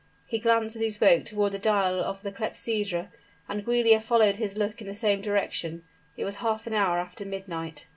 He glanced as he spoke toward the dial of the clepsydra, and Giulia followed his look in the same direction; it was half an hour after midnight.